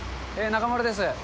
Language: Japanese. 中丸です。